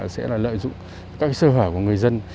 sẽ lợi dụng các sơ hở của người dân